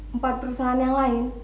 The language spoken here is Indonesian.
empat perusahaan yang lain